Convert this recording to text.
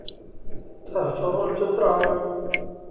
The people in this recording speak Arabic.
تهجر الجدران